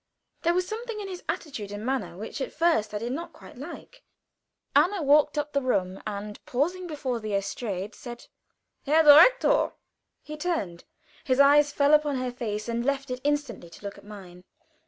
There was something in his attitude and manner which at first I did not quite like. Anna walked up the room, and pausing before the estrade, said: "Herr Direktor!" He turned: his eyes fell upon her face, and left it instantly to look at mine.